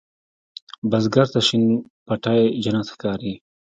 بزګر ته شین پټی جنت ښکاري